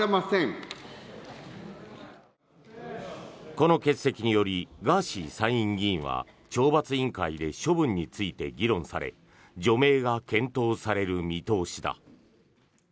この欠席によりガーシー参議院議員は懲罰委員会で処分について議論され除名が検討される見通しだ。